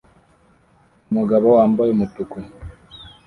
Umugabo wambaye umutuku